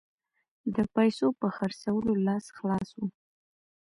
د پیسو په خرڅولو لاس خلاص وو.